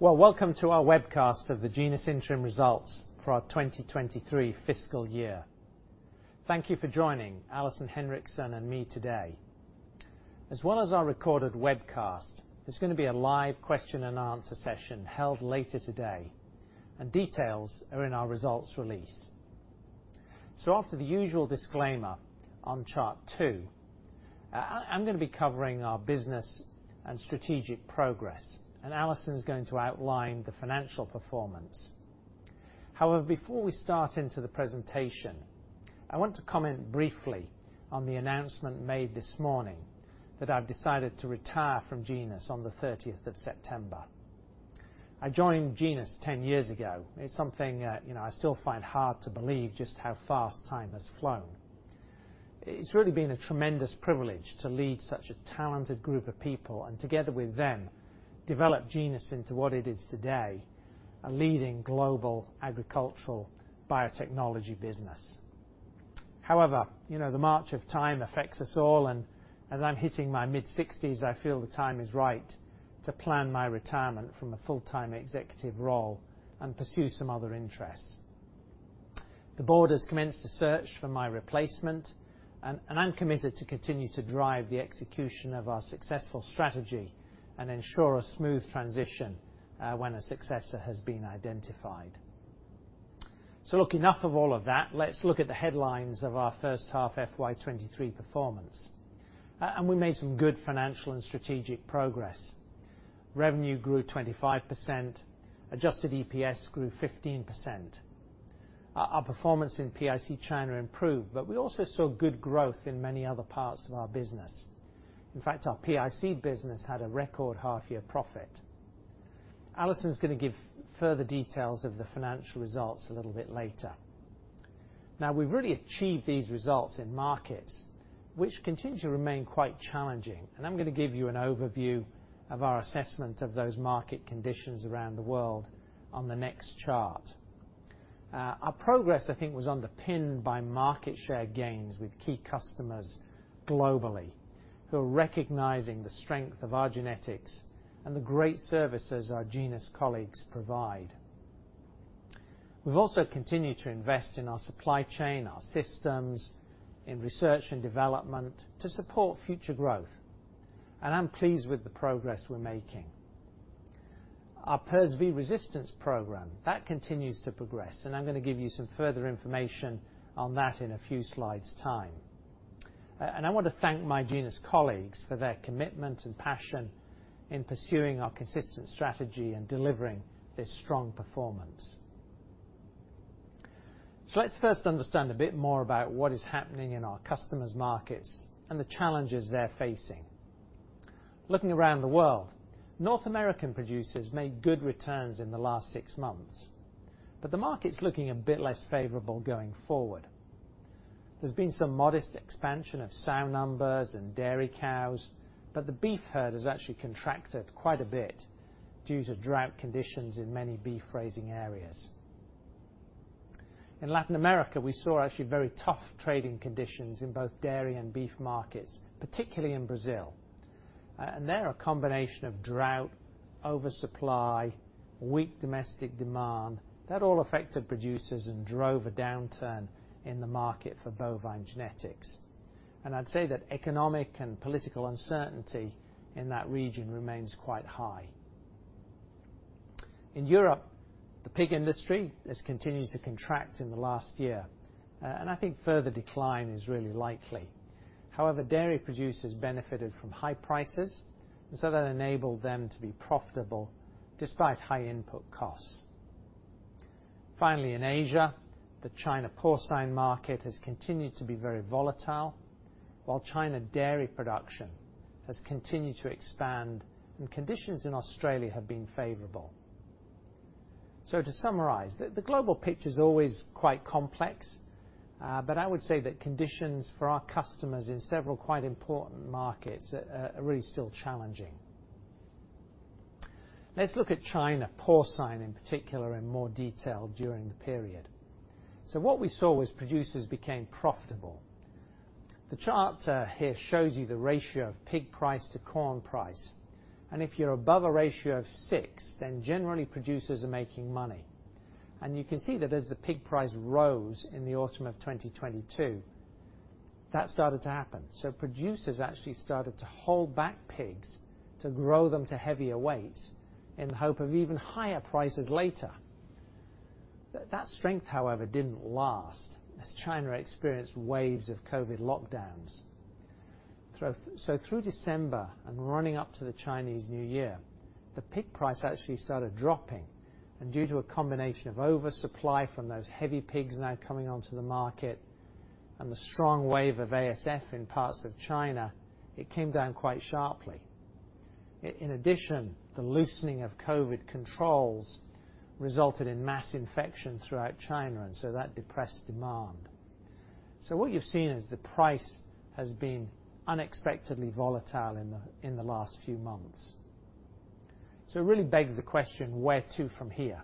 Well, welcome to our webcast of the Genus Interim results for our 2023 Fiscal Year. Thank you for joining Alison Henriksen and me today. As well as our recorded webcast, there's gonna be a live question and answer session held later today, and details are in our results release. After the usual disclaimer on chart two, I'm gonna be covering our business and strategic progress, and Alison's going to outline the financial performance. However, before we start into the presentation, I want to comment briefly on the announcement made this morning that I've decided to retire from Genus on the 30th of September. I joined Genus 10 years ago. It's something, you know, I still find hard to believe just how fast time has flown. It's really been a tremendous privilege to lead such a talented group of people and, together with them, develop Genus into what it is today, a leading global agricultural biotechnology business. However, you know, the march of time affects us all, and as I'm hitting my mid-sixties, I feel the time is right to plan my retirement from a full-time executive role and pursue some other interests. The board has commenced a search for my replacement, and I'm committed to continue to drive the execution of our successful strategy and ensure a smooth transition when a successor has been identified. Look, enough of all of that. Let's look at the headlines of our H1 FY23 performance. We made some good financial and strategic progress. Revenue grew 25%, adjusted EPS grew 15%. Our performance in PIC China improved. We also saw good growth in many other parts of our business. In fact, our PIC business had a record half-year profit. Alison's gonna give further details of the financial results a little bit later. We've really achieved these results in markets which continue to remain quite challenging. I'm gonna give you an overview of our assessment of those market conditions around the world on the next chart. Our progress, I think, was underpinned by market share gains with key customers globally, who are recognizing the strength of our genetics and the great services our Genus colleagues provide. We've also continued to invest in our supply chain, our systems, in research and development to support future growth. I'm pleased with the progress we're making. Our PRRSv resistance program, that continues to progress, and I'm gonna give you some further information on that in a few slides' time. I want to thank my Genus colleagues for their commitment and passion in pursuing our consistent strategy and delivering this strong performance. Let's first understand a bit more about what is happening in our customers' markets and the challenges they're facing. Looking around the world, North American producers made good returns in the last six months, but the market's looking a bit less favorable going forward. There's been some modest expansion of sow numbers and dairy cows, but the beef herd has actually contracted quite a bit due to drought conditions in many beef-raising areas. In Latin America, we saw actually very tough trading conditions in both dairy and beef markets, particularly in Brazil. There are a combination of drought, oversupply, weak domestic demand. That all affected producers and drove a downturn in the market for bovine genetics. I'd say that economic and political uncertainty in that region remains quite high. In Europe, the pig industry has continued to contract in the last year, and I think further decline is really likely. However, dairy producers benefited from high prices, and so that enabled them to be profitable despite high input costs. Finally, in Asia, the China porcine market has continued to be very volatile, while China dairy production has continued to expand, and conditions in Australia have been favorable. To summarize, the global picture's always quite complex, but I would say that conditions for our customers in several quite important markets, are really still challenging. Let's look at China porcine in particular in more detail during the period. What we saw was producers became profitable. The chart here shows you the ratio of pig price to corn price, and if you're above a ratio of six, then generally producers are making money. You can see that as the pig price rose in the autumn of 2022, that started to happen. Producers actually started to hold back pigs to grow them to heavier weights in the hope of even higher prices later. That strength, however, didn't last, as China experienced waves of COVID lockdowns. Through December and running up to the Chinese New Year, the pig price actually started dropping. Due to a combination of oversupply from those heavy pigs now coming onto the market and the strong wave of ASF in parts of China, it came down quite sharply. In addition, the loosening of COVID controls resulted in mass infection throughout China, that depressed demand. What you've seen is the price has been unexpectedly volatile in the last few months. It really begs the question, where to from here?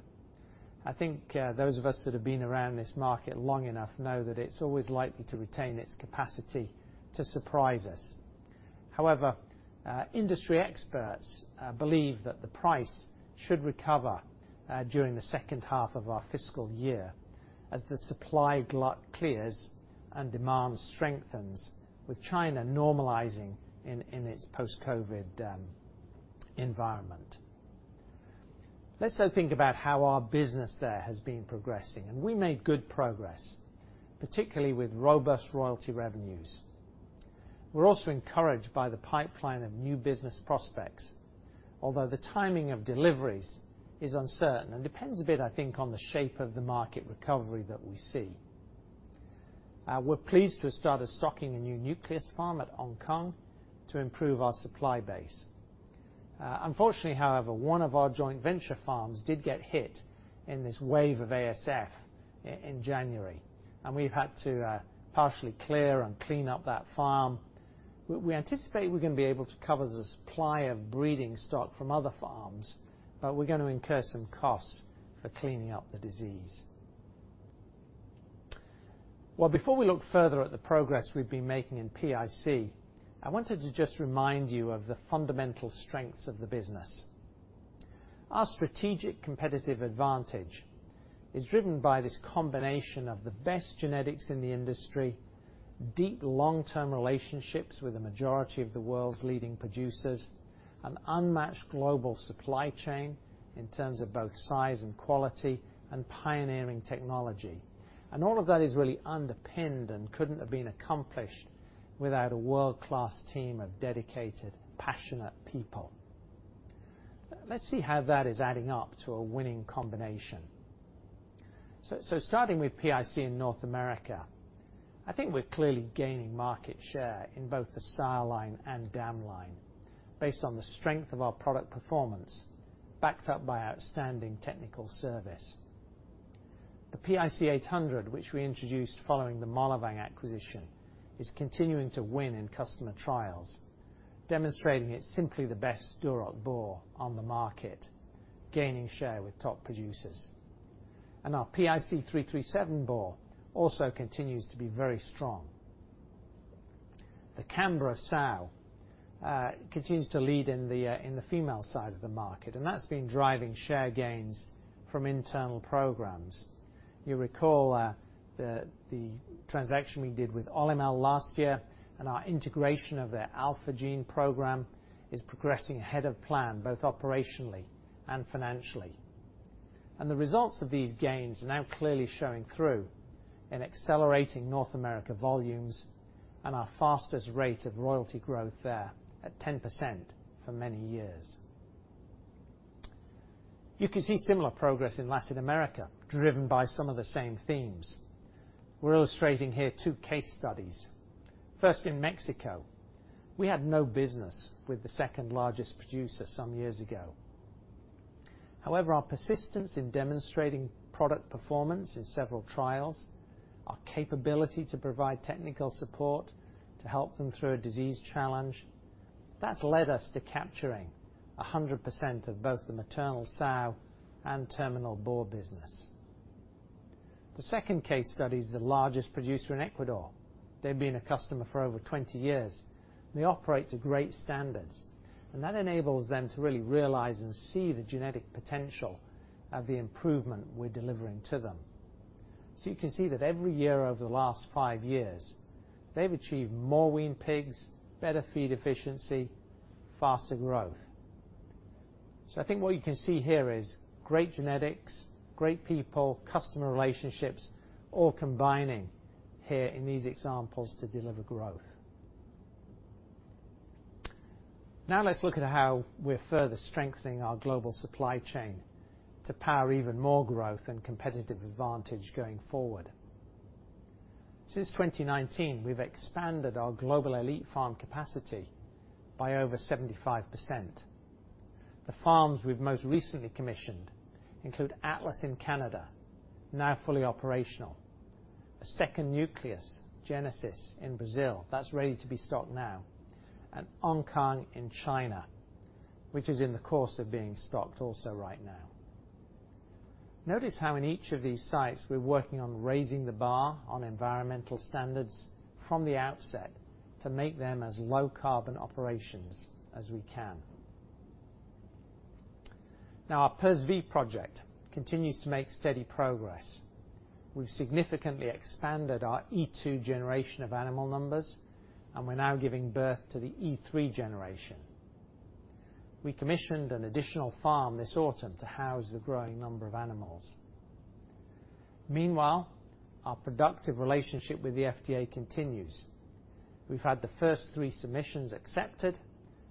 I think those of us that have been around this market long enough know that it's always likely to retain its capacity to surprise us. However, industry experts believe that the price should recover during the H2 of our fiscal year as the supply glut clears and demand strengthens with China normalizing in its post-COVID environment. Let's now think about how our business there has been progressing. We made good progress, particularly with robust royalty revenues. We're also encouraged by the pipeline of new business prospects, although the timing of deliveries is uncertain and depends a bit, I think, on the shape of the market recovery that we see. We're pleased to have started stocking a new nucleus farm at Hong Kong to improve our supply base. Unfortunately, however, one of our joint venture farms did get hit in this wave of ASF in January, and we've had to partially clear and clean up that farm. We anticipate we're gonna be able to cover the supply of breeding stock from other farms, but we're gonna incur some costs for cleaning up the disease. Well, before we look further at the progress we've been making in PIC, I wanted to just remind you of the fundamental strengths of the business. Our strategic competitive advantage is driven by this combination of the best genetics in the industry, deep long-term relationships with the majority of the world's leading producers, an unmatched global supply chain in terms of both size and quality, and pioneering technology. All of that is really underpinned and couldn't have been accomplished without a world-class team of dedicated, passionate people. Let's see how that is adding up to a winning combination. Starting with PIC in North America, I think we're clearly gaining market share in both the sire line and dam line based on the strength of our product performance backed up by outstanding technical service. The PIC 800, which we introduced following the Møllevang acquisition, is continuing to win in customer trials, demonstrating it's simply the best Duroc boar on the market, gaining share with top producers. Our PIC 337 boar also continues to be very strong. The Camborough sow continues to lead in the female side of the market, and that's been driving share gains from internal programs. You recall the transaction we did with Olymel last year and our integration of their AlphaGene program is progressing ahead of plan, both operationally and financially. The results of these gains are now clearly showing through in accelerating North America volumes and our fastest rate of royalty growth there at 10% for many years. You can see similar progress in Latin America driven by some of the same themes. We're illustrating here two case studies. First, in Mexico, we had no business with the 2nd largest producer some years ago. However, our persistence in demonstrating product performance in several trials, our capability to provide technical support to help them through a disease challenge, that's led us to capturing 100% of both the maternal sow and terminal boar business. The 2nd case study is the largest producer in Ecuador. They've been a customer for over 20 years. They operate to great standards, and that enables them to really realize and see the genetic potential of the improvement we're delivering to them. You can see that every year over the last five years, they've achieved more weaned pigs, better feed efficiency, faster growth. I think what you can see here is great genetics, great people, customer relationships, all combining here in these examples to deliver growth. Let's look at how we're further strengthening our global supply chain to power even more growth and competitive advantage going forward. Since 2019, we've expanded our global elite farm capacity by over 75%. The farms we've most recently commissioned include Atlas in Canada, now fully operational. A second nucleus, Genesis, in Brazil, that's ready to be stocked now. Hong Kong in China, which is in the course of being stocked also right now. Notice how in each of these sites, we're working on raising the bar on environmental standards from the outset to make them as low carbon operations as we can. Our PRRSv project continues to make steady progress. We've significantly expanded our E2 generation of animal numbers, and we're now giving birth to the E3 generation. We commissioned an additional farm this autumn to house the growing number of animals. Meanwhile, our productive relationship with the FDA continues. We've had the first three submissions accepted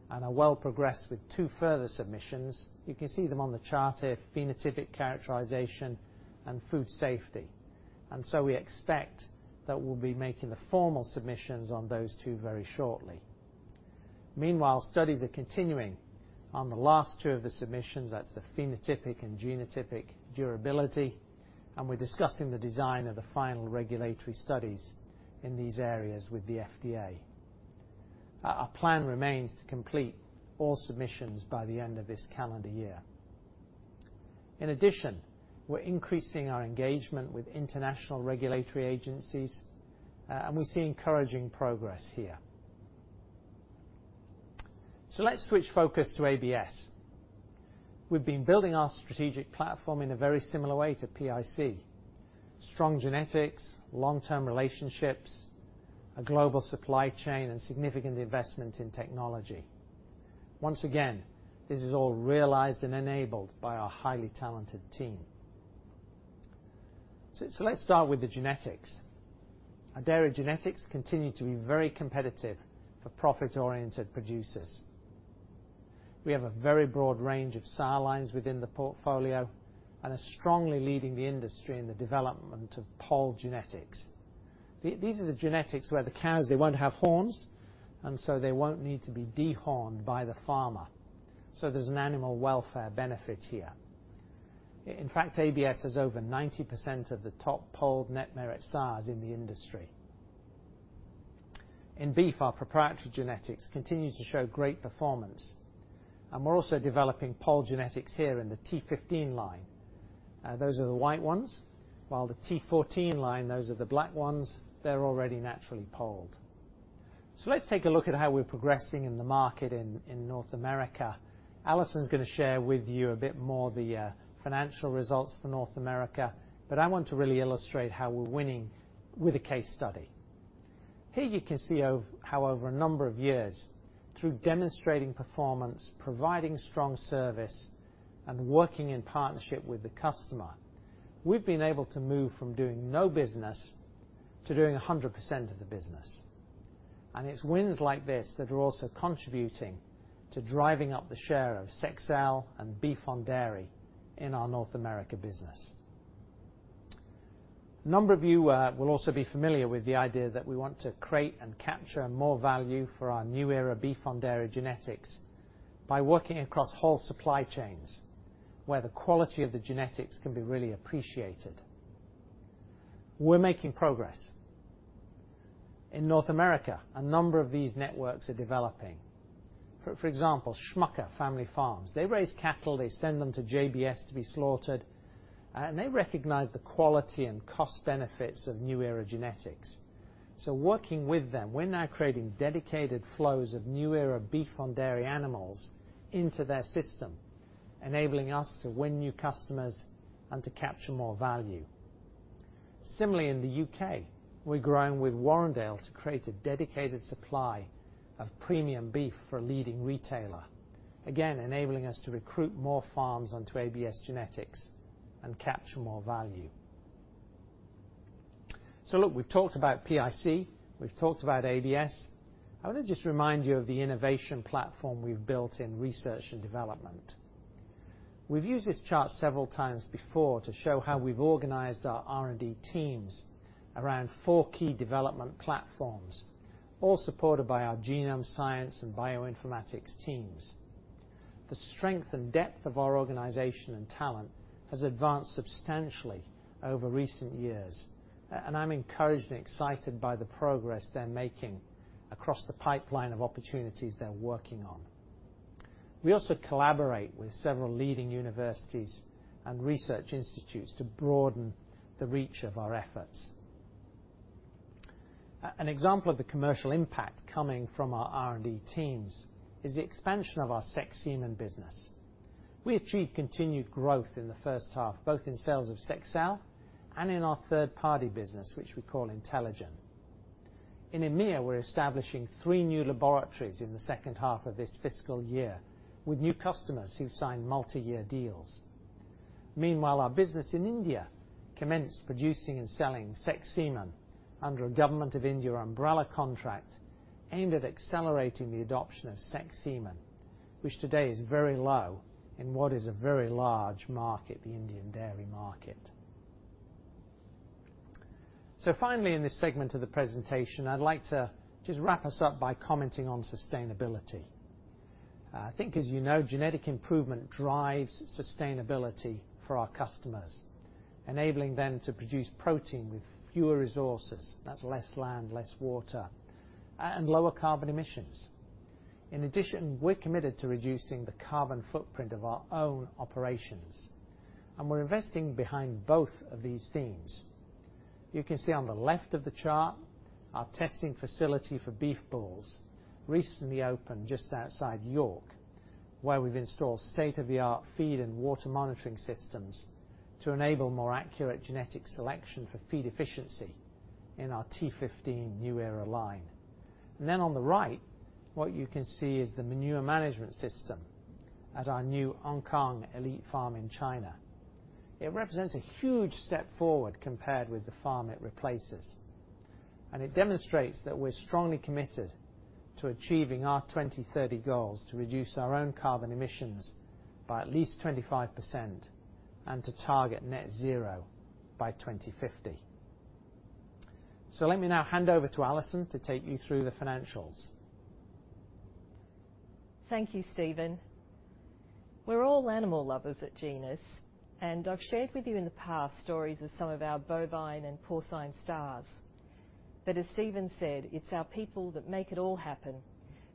and are well progressed with two further submissions. You can see them on the chart here, phenotypic characterization and food safety. We expect that we'll be making the formal submissions on those two very shortly. Meanwhile, studies are continuing on the last two of the submissions, that's the phenotypic and genotypic durability, and we're discussing the design of the final regulatory studies in these areas with the FDA. Our plan remains to complete all submissions by the end of this calendar year. We're increasing our engagement with international regulatory agencies, and we're seeing encouraging progress here. Let's switch focus to ABS. We've been building our strategic platform in a very similar way to PIC. Strong genetics, long-term relationships, a global supply chain, and significant investment in technology. Once again, this is all realized and enabled by our highly talented team. Let's start with the genetics. Our dairy genetics continue to be very competitive for profit-oriented producers. We have a very broad range of sires lines within the portfolio and are strongly leading the industry in the development of polled genetics. These are the genetics where the cows, they won't have horns, and so they won't need to be dehorned by the farmer, so there's an animal welfare benefit here. In fact, ABS has over 90% of the top polled Net Merit sires in the industry. In beef, our proprietary genetics continue to show great performance, and we're also developing polled genetics here in the T15 line. Those are the white ones, while the T14 line, those are the black ones, they're already naturally polled. Let's take a look at how we're progressing in the market in North America. Alison is gonna share with you a bit more the financial results for North America, but I want to really illustrate how we're winning with a case study. Here you can see however, a number of years through demonstrating performance, providing strong service, and working in partnership with the customer, we've been able to move from doing no business to doing 100% of the business. It's wins like this that are also contributing to driving up the share of Sexcel and beef on dairy in our North America business. A number of you will also be familiar with the idea that we want to create and capture more value for our NuEra beef on dairy genetics by working across whole supply chains where the quality of the genetics can be really appreciated. We're making progress. In North America, a number of these networks are developing. For example, Schmucker Family Farms. They raise cattle, they send them to JBS to be slaughtered. They recognize the quality and cost benefits of NuEra Genetics. Working with them, we're now creating dedicated flows of NuEra beef on dairy animals into their system, enabling us to win new customers and to capture more value. Similarly, in the U.K., we're growing with Warrendale to create a dedicated supply of premium beef for a leading retailer, again, enabling us to recruit more farms onto ABS genetics and capture more value. Look, we've talked about PIC, we've talked about ABS. I want to just remind you of the innovation platform we've built in research and development. We've used this chart several times before to show how we've organized our R&D teams around four key development platforms, all supported by our genome science and bioinformatics teams. The strength and depth of our organization and talent has advanced substantially over recent years. I'm encouraged and excited by the progress they're making across the pipeline of opportunities they're working on. We also collaborate with several leading universities and research institutes to broaden the reach of our efforts. An example of the commercial impact coming from our R&D teams is the expansion of our sexed semen business. We achieved continued growth in the H1, both in sales of Sexcel and in our third-party business, which we call IntelliGen. In EMEIA, we're establishing three new laboratories in the H2 of this fiscal year with new customers who've signed multi-year deals. Meanwhile, our business in India commenced producing and selling sexed semen under a Government of India umbrella contract aimed at accelerating the adoption of sexed semen, which today is very low in what is a very large market, the Indian dairy market. Finally, in this segment of the presentation, I'd like to just wrap us up by commenting on sustainability. I think as you know, genetic improvement drives sustainability for our customers, enabling them to produce protein with fewer resources. That's less land, less water, and lower carbon emissions. In addition, we're committed to reducing the carbon footprint of our own operations, and we're investing behind both of these themes. You can see on the left of the chart, our testing facility for beef bulls recently opened just outside York, where we've installed state-of-the-art feed and water monitoring systems to enable more accurate genetic selection for feed efficiency in our T15 NuEra line. On the right, what you can see is the manure management system at our new Ankang elite farm in China. It represents a huge step forward compared with the farm it replaces, and it demonstrates that we're strongly committed to achieving our 2030 goals to reduce our own carbon emissions by at least 25% and to target net zero by 2050. Let me now hand over to Alison to take you through the financials. Thank you, Stephen. We're all animal lovers at Genus, I've shared with you in the past stories of some of our bovine and porcine stars. As Stephen said, it's our people that make it all happen,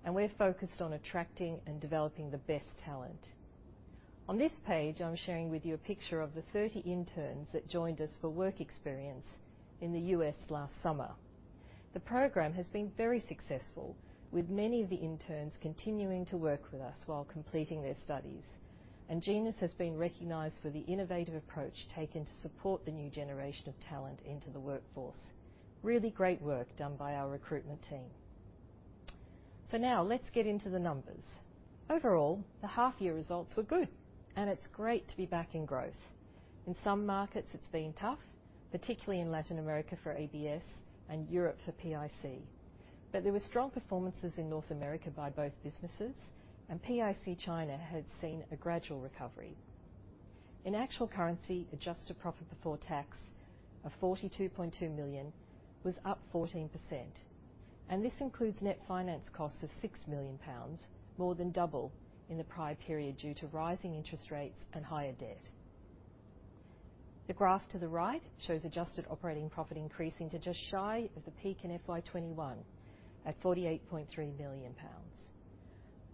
we're focused on attracting and developing the best talent. On this page, I'm sharing with you a picture of the 30 interns that joined us for work experience in the U.S. last summer. The program has been very successful, with many of the interns continuing to work with us while completing their studies. Genus has been recognized for the innovative approach taken to support the new generation of talent into the workforce. Really great work done by our recruitment team. For now, let's get into the numbers. Overall, the half-year results were good, it's great to be back in growth. In some markets, it's been tough, particularly in Latin America for ABS and Europe for PIC. There were strong performances in North America by both businesses, and PIC China had seen a gradual recovery. In actual currency, adjusted profit before tax of 42.2 million was up 14%, and this includes net finance costs of 6 million pounds, more than double in the prior period due to rising interest rates and higher debt. The graph to the right shows adjusted operating profit increasing to just shy of the peak in FY21 at 48.3 million pounds.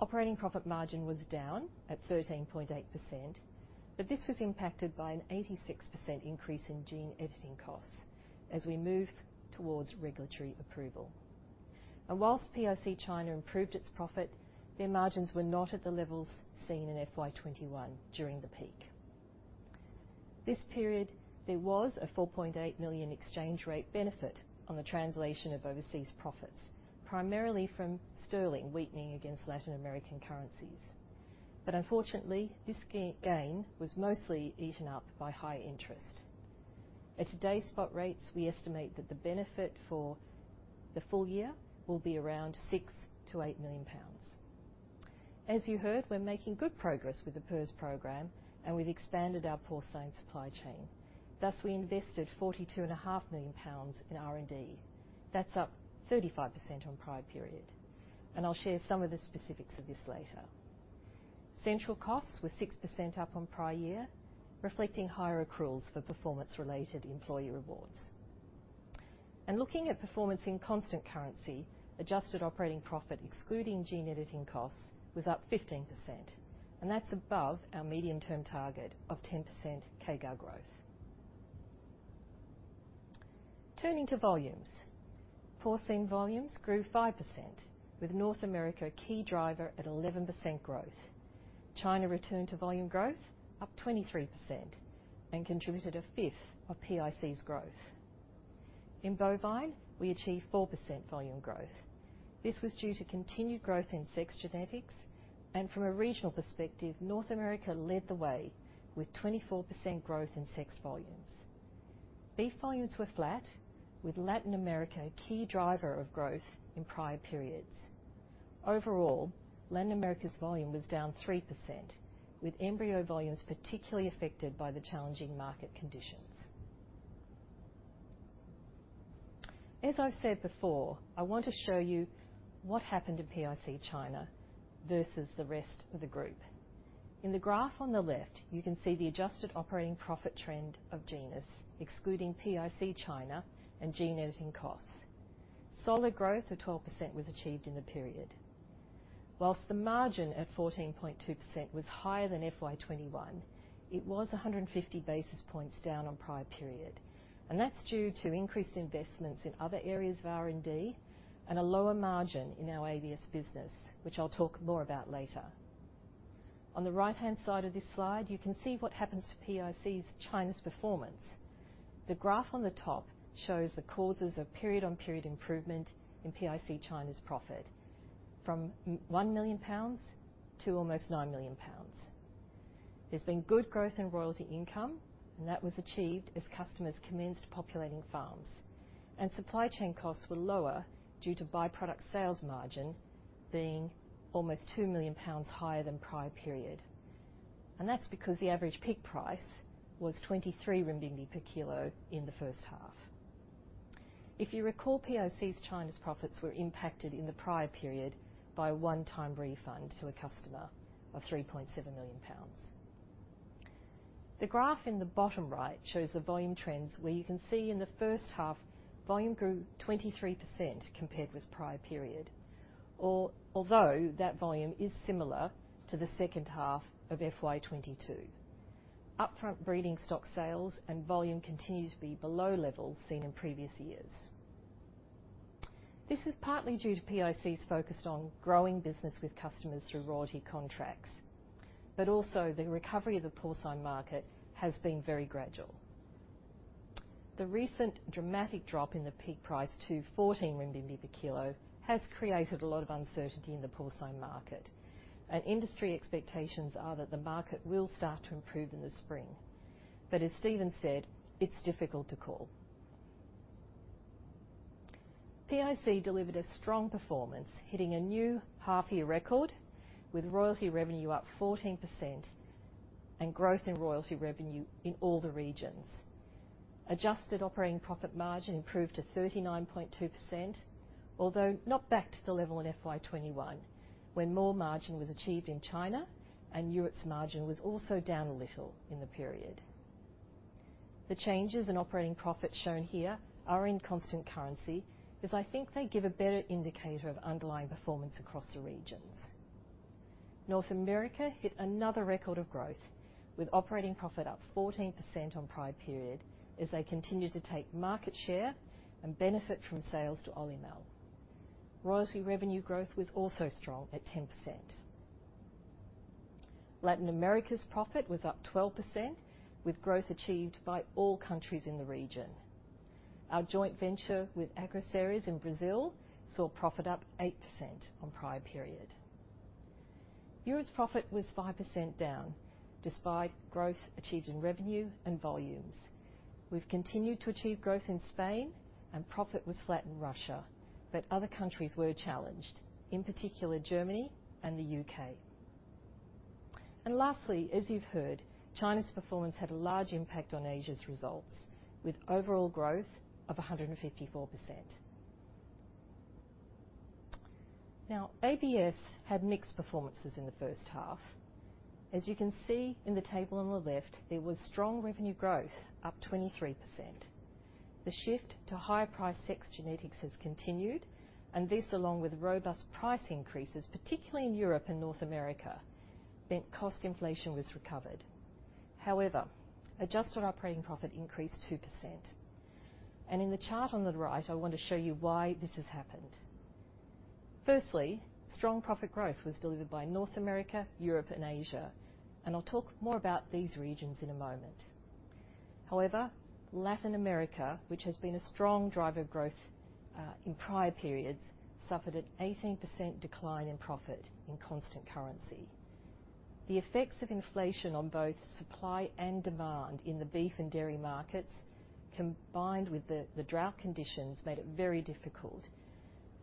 Operating profit margin was down at 13.8%, This was impacted by an 86% increase in gene editing costs as we move towards regulatory approval. PIC China improved its profit, their margins were not at the levels seen in FY21 during the peak. This period, there was a 4.8 million exchange rate benefit on the translation of overseas profits, primarily from sterling weakening against Latin American currencies. Unfortunately, this gain was mostly eaten up by high interest. At today's spot rates, we estimate that the benefit for the full year will be around 6 million-8 million pounds. As you heard, we're making good progress with the PRRS program, and we've expanded our porcine supply chain. We invested 42.5 million pounds in R&D. That's up 35% on prior period. I'll share some of the specifics of this later. Central costs were 6% up on prior year, reflecting higher accruals for performance-related employee rewards. Looking at performance in constant currency, adjusted operating profit excluding gene editing costs was up 15%, and that's above our medium-term target of 10% CAGR growth. Turning to volumes. Porcine volumes grew 5%, with North America a key driver at 11% growth. China returned to volume growth up 23% and contributed a fifth of PIC's growth. In bovine, we achieved 4% volume growth. This was due to continued growth in sexed genetics, and from a regional perspective, North America led the way with 24% growth in sex volumes. Beef volumes were flat, with Latin America a key driver of growth in prior periods. Overall, Latin America's volume was down 3%, with embryo volumes particularly affected by the challenging market conditions. As I said before, I want to show you what happened to PIC China versus the rest of the group. In the graph on the left, you can see the adjusted operating profit trend of Genus, excluding PIC China and gene editing costs. Solid growth of 12% was achieved in the period. Whilst the margin at 14.2% was higher than FY21, it was 150 basis points down on prior period, that's due to increased investments in other areas of R&D and a lower margin in our ABS business, which I'll talk more about later. On the right-hand side of this slide, you can see what happens to PIC China's performance. The graph on the top shows the causes of period on period improvement in PIC China's profit from 1 million pounds to almost 9 million pounds. There's been good growth in royalty income, that was achieved as customers commenced populating farms. Supply chain costs were lower due to by-product sales margin being almost 2 million pounds higher than prior period. That's because the average peak price was 23 RMB per kilo in the H1. If you recall, PIC China's profits were impacted in the prior period by a one-time refund to a customer of 3.7 million pounds. The graph in the bottom right shows the volume trends, where you can see in the H1, volume grew 23% compared with prior period, although that volume is similar to the H2 of FY22. Upfront breeding stock sales and volume continues to be below levels seen in previous years. This is partly due to PIC's focus on growing business with customers through royalty contracts, also the recovery of the porcine market has been very gradual. The recent dramatic drop in the peak price to 14 renminbi per kilo has created a lot of uncertainty in the porcine market. Industry expectations are that the market will start to improve in the spring. As Stephen said, it's difficult to call. PIC delivered a strong performance, hitting a new half-year record with royalty revenue up 14% and growth in royalty revenue in all the regions. Adjusted operating profit margin improved to 39.2%, although not back to the level in FY21, when more margin was achieved in China and Europe's margin was also down a little in the period. The changes in operating profit shown here are in constant currency, as I think they give a better indicator of underlying performance across the regions. North America hit another record of growth, with operating profit up 14% on prior period as they continued to take market share and benefit from sales to Olymel. Royalty revenue growth was also strong at 10%. Latin America's profit was up 12%, with growth achieved by all countries in the region. Our joint venture with Agroceres in Brazil saw profit up 8% on prior period. Europe's profit was 5% down, despite growth achieved in revenue and volumes. We've continued to achieve growth in Spain and profit was flat in Russia, but other countries were challenged, in particular Germany and the U.K. Lastly, as you've heard, China's performance had a large impact on Asia's results, with overall growth of 154%. Now, ABS had mixed performances in the H1. As you can see in the table on the left, there was strong revenue growth, up 23%. The shift to higher price sexed genetics has continued, and this, along with robust price increases, particularly in Europe and North America, meant cost inflation was recovered. However, adjusted operating profit increased 2%. In the chart on the right, I want to show you why this has happened. Firstly, strong profit growth was delivered by North America, Europe and Asia, and I'll talk more about these regions in a moment. However, Latin America, which has been a strong driver of growth in prior periods, suffered an 18% decline in profit in constant currency. The effects of inflation on both supply and demand in the beef and dairy markets, combined with the drought conditions, made it very difficult.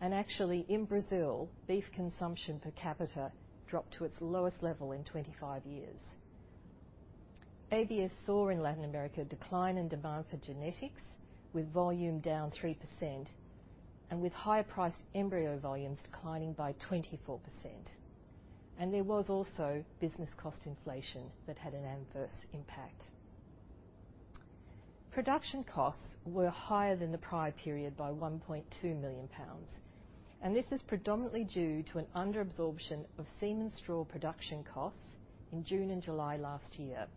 Actually, in Brazil, beef consumption per capita dropped to its lowest level in 25 years. ABS saw in Latin America a decline in demand for genetics, with volume down 3% and with higher priced embryo volumes declining by 24%. There was also business cost inflation that had an adverse impact. Production costs were higher than the prior period by 1.2 million pounds, and this is predominantly due to an under absorption of semen straw production costs in June and July last year,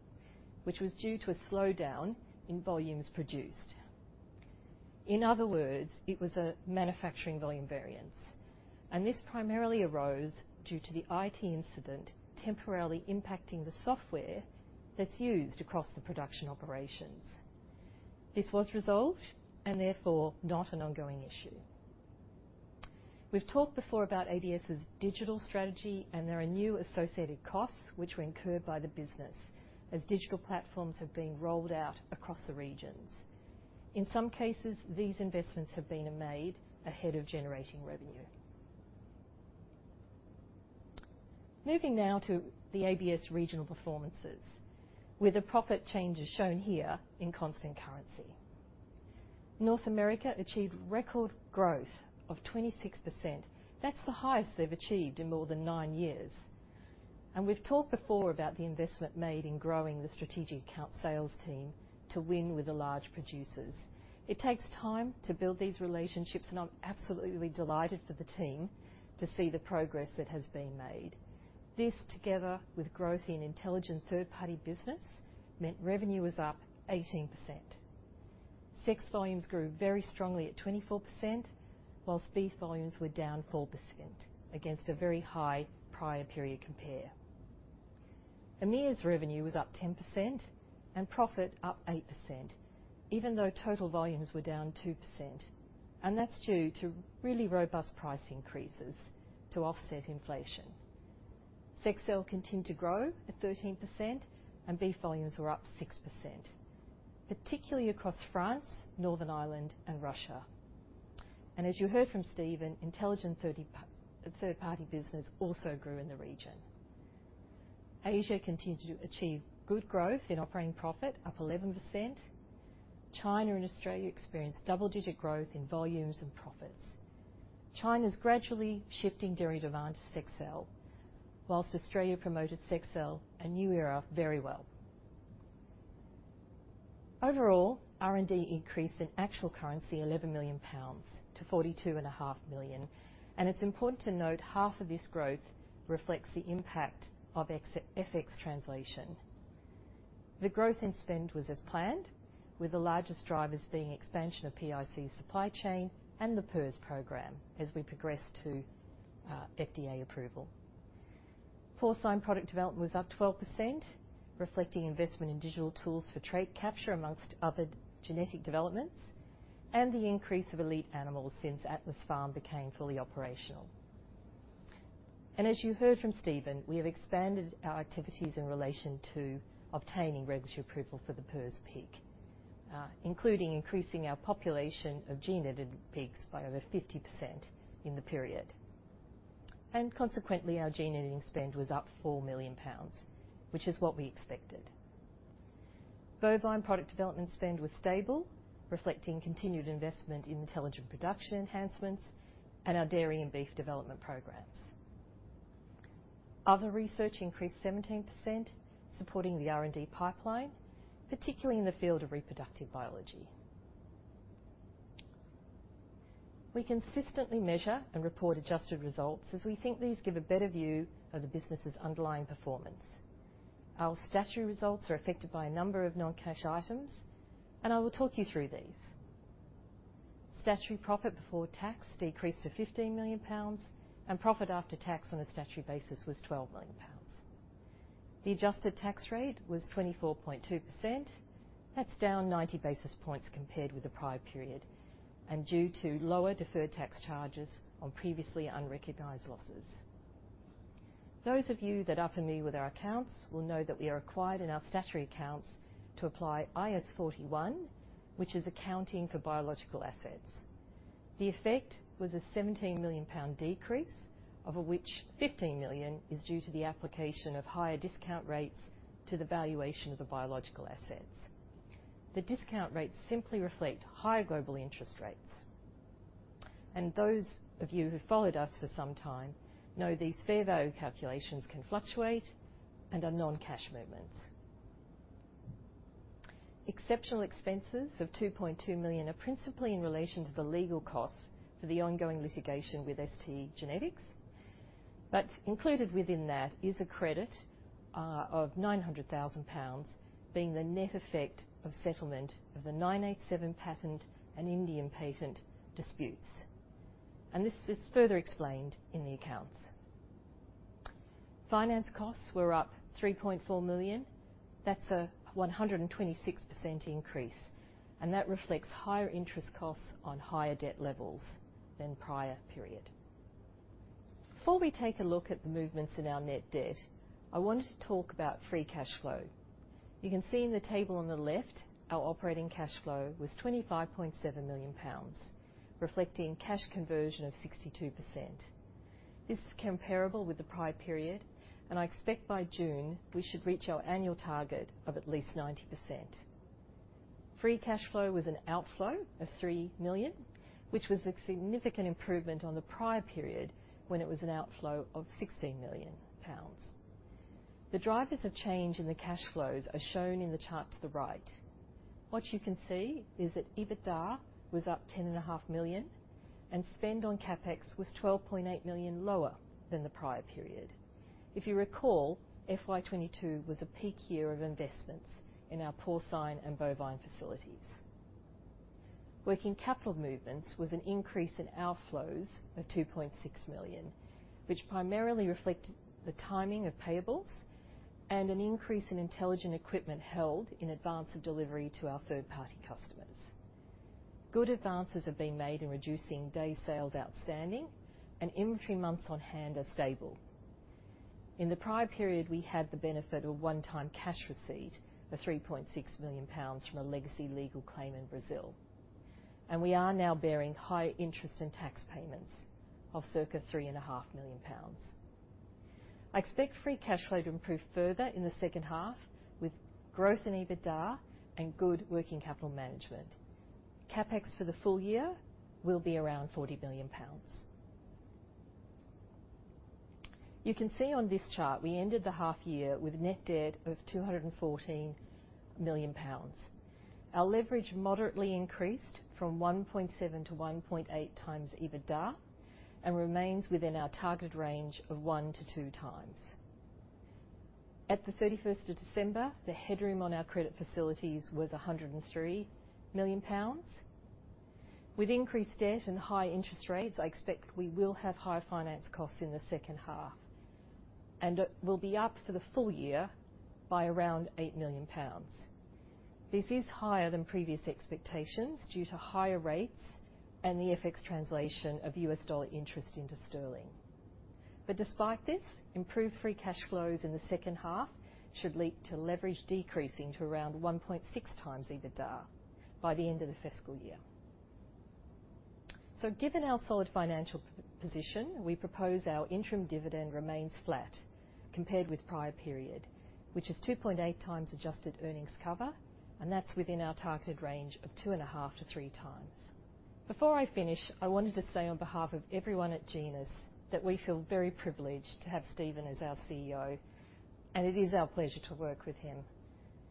which was due to a slowdown in volumes produced. In other words, it was a manufacturing volume variance, and this primarily arose due to the IT incident temporarily impacting the software that's used across the production operations. This was resolved and therefore not an ongoing issue. We've talked before about ABS's digital strategy. There are new associated costs which were incurred by the business as digital platforms have been rolled out across the regions. In some cases, these investments have been made ahead of generating revenue. Moving now to the ABS regional performances with the profit changes shown here in constant currency. North America achieved record growth of 26%. That's the highest they've achieved in more than nine years. We've talked before about the investment made in growing the strategic account sales team to win with the large producers. It takes time to build these relationships. I'm absolutely delighted for the team to see the progress that has been made. This, together with growth in IntelliGen third-party business, meant revenue was up 18%. Sex volumes grew very strongly at 24%, while beef volumes were down 4% against a very high prior period compare. EMEA's revenue was up 10% and profit up 8%, even though total volumes were down 2%, and that's due to really robust price increases to offset inflation. Sexcel continued to grow at 13% and beef volumes were up 6%, particularly across France, Northern Ireland and Russia. As you heard from Stephen, IntelliGen third-party business also grew in the region. Asia continued to achieve good growth in operating profit, up 11%. China and Australia experienced double-digit growth in volumes and profits. China's gradually shifting dairy demand to Sexcel, while Australia promoted Sexcel and NuEra very well. Overall, R&D increased in actual currency 11 million pounds- 42.5 million, and it's important to note half of this growth reflects the impact of ex-FX translation. The growth in spend was as planned, with the largest drivers being expansion of PIC supply chain and the PRRS program as we progress to FDA approval. Porcine product development was up 12%, reflecting investment in digital tools for trait capture amongst other genetic developments, and the increase of elite animals since Atlas Farm became fully operational. As you heard from Stephen, we have expanded our activities in relation to obtaining regulatory approval for the PRRS peak, including increasing our population of gene-edited pigs by over 50% in the period. Consequently, our gene editing spend was up 4 million pounds, which is what we expected. Bovine product development spend was stable, reflecting continued investment in intelligent production enhancements and our dairy and beef development programs. Other research increased 17%, supporting the R&D pipeline, particularly in the field of reproductive biology. We consistently measure and report adjusted results as we think these give a better view of the business' underlying performance. Our statutory results are affected by a number of non-cash items, and I will talk you through these. Statutory profit before tax decreased to 15 million pounds and profit after tax on a statutory basis was 12 million pounds. The adjusted tax rate was 24.2%. That's down 90 basis points compared with the prior period and due to lower deferred tax charges on previously unrecognized losses. Those of you that are familiar with our accounts will know that we are required in our statutory accounts to apply IAS 41, which is accounting for biological assets. The effect was a 17 million pound decrease, of which 15 million is due to the application of higher discount rates to the valuation of the biological assets. The discount rates simply reflect higher global interest rates. Those of you who followed us for some time know these fair value calculations can fluctuate and are non-cash movements. Exceptional expenses of 2.2 million are principally in relation to the legal costs for the ongoing litigation with STgenetics. Included within that is a credit of 900,000 pounds being the net effect of settlement of the '987 patent and Indian patent disputes. This is further explained in the accounts. Finance costs were up 3.4 million. That's a 126% increase, that reflects higher interest costs on higher debt levels than prior period. Before we take a look at the movements in our net debt, I wanted to talk about free cash flow. You can see in the table on the left, our operating cash flow was 25.7 million pounds, reflecting cash conversion of 62%. This is comparable with the prior period, I expect by June we should reach our annual target of at least 90%. Free cash flow was an outflow of 3 million, which was a significant improvement on the prior period when it was an outflow of 16 million pounds. The drivers of change in the cash flows are shown in the chart to the right. What you can see is that EBITDA was up 10.5 million and spend on CapEx was 12.8 million lower than the prior period. If you recall, FY22 was a peak year of investments in our porcine and bovine facilities. Working capital movements was an increase in outflows of 2.6 million, which primarily reflect the timing of payables and an increase in IntelliGen equipment held in advance of delivery to our third-party customers. Good advances have been made in reducing day sales outstanding and inventory months on hand are stable. In the prior period, we had the benefit of one-time cash receipt of 3.6 million pounds from a legacy legal claim in Brazil, and we are now bearing high interest in tax payments of circa 3.5 million pounds. I expect free cash flow to improve further in the H2 with growth in EBITDA and good working capital management. CapEx for the full year will be around 40 million pounds. You can see on this chart, we ended the half year with net debt of 214 million pounds. Our leverage moderately increased from 1.7-1.8x EBITDA and remains within our target range of 1-2x. At the 31st of December, the headroom on our credit facilities was 103 million pounds. With increased debt and high interest rates, I expect we will have higher finance costs in the H2, and it will be up for the full year by around 8 million pounds. This is higher than previous expectations due to higher rates and the FX translation of US dollar interest into sterling. Despite this, improved free cash flows in the H2 should lead to leverage decreasing to around 1.6x EBITDA by the end of this fiscal year. Given our solid financial position, we propose our interim dividend remains flat compared with prior period, which is 2.8x adjusted earnings cover, and that's within our targeted range of 2.5 to 3x. Before I finish, I wanted to say on behalf of everyone at Genus that we feel very privileged to have Stephen as our CEO, and it is our pleasure to work with him.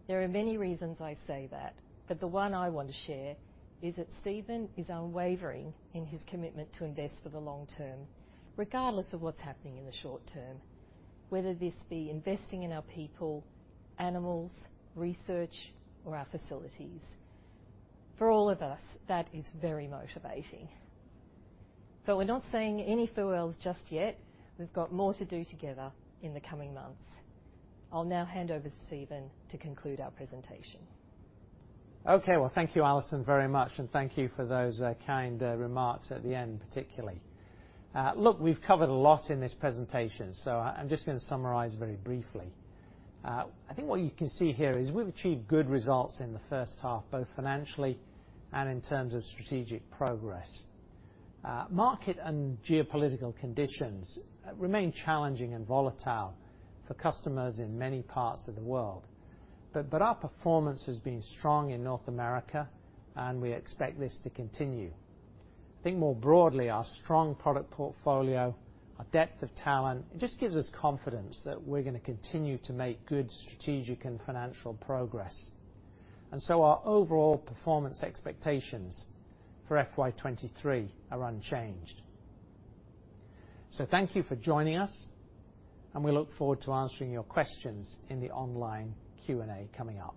There are many reasons I say that, but the one I want to share is that Stephen is unwavering in his commitment to invest for the long term, regardless of what's happening in the short term, whether this be investing in our people, animals, research, or our facilities. For all of us, that is very motivating. We're not saying any farewells just yet. We've got more to do together in the coming months. I'll now hand over to Stephen to conclude our presentation. Okay. Well, thank you, Alison, very much. Thank you for those kind remarks at the end, particularly. Look, we've covered a lot in this presentation. I'm just gonna summarize very briefly. I think what you can see here is we've achieved good results in the H1, both financially and in terms of strategic progress. Our market and geo-political conditions remain challenging and volatile for customers in many parts of the world, but our performance has been strong in North America and we expect this to continue. I think more broadly, our strong product portfolio, our depth of talent, it just gives us confidence that we're gonna continue to make good strategic and financial progress. Our overall performance expectations for FY23 are unchanged. Thank you for joining us, and we look forward to answering your questions in the online Q&A coming up.